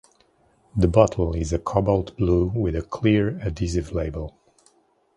The bottle is a cobalt blue with a clear, adhesive label.